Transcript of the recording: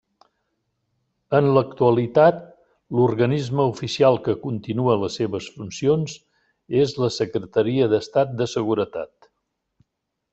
En l'actualitat, l'organisme oficial que continua les seves funcions és la Secretaria d'Estat de Seguretat.